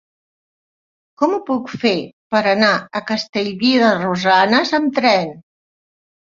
Com ho puc fer per anar a Castellví de Rosanes amb tren?